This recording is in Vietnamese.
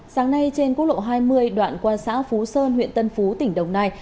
sáng nay trên quốc lộ hai mươi đoạn qua xã phú sơn huyện tân phú tỉnh đồng nai